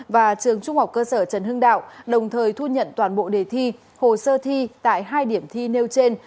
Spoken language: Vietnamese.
và trường trung học cơ sở trần hưng đạo đồng thời thu nhận toàn bộ đề thi hồ sơ thi tại hai điểm thi nêu trên